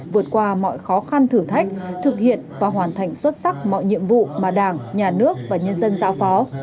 vượt qua mọi khó khăn thử thách thực hiện và hoàn thành xuất sắc mọi nhiệm vụ mà đảng nhà nước và nhân dân giao phó